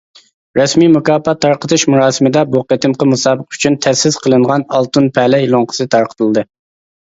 رەسمىي مۇكاپات تارقىتىش مۇراسىمىدا ،بۇ قېتىمقى مۇسابىقە ئۈچۈن تەسىس قىلىنغان «ئالتۇن پەلەي» لوڭقىسى تارقىتىلدى.